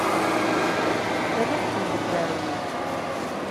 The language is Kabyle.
Rriɣ-kem deg uɛewwiq.